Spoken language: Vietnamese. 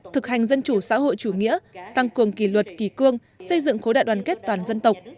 thực hành dân chủ xã hội chủ nghĩa tăng cường kỷ luật kỳ cương xây dựng khối đại đoàn kết toàn dân tộc